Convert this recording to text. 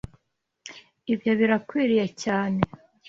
Ibyo birakwiriye cyane.